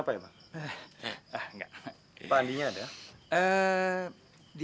selamat malam mas adi